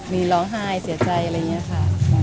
มีร้องไห้เสียใจอะไรอย่างนี้ค่ะ